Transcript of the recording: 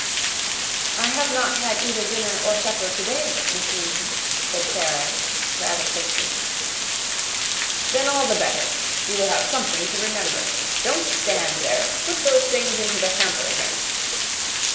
"I have not had either dinner or supper today, Miss Minchin," said Sara, rather faintly. "Then all the better. You will have something to remember. Don't stand there. Put those things into the hamper again."